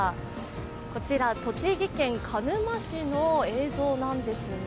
こちら栃木県鹿沼市の映像なんですが。